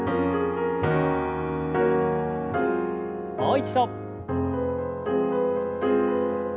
もう一度。